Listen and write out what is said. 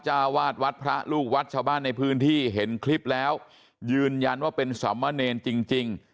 วาดวัดพระลูกวัดชาวบ้านในพื้นที่เห็นคลิปแล้วยืนยันว่าเป็นสามเณรจริง